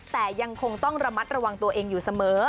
แต่ยังคงต้องระมัดระวังตัวเองอยู่เสมอ